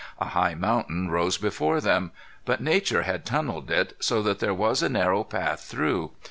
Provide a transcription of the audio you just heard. A high mountain rose before them. But nature had tunnelled it, so that there was a narrow path through.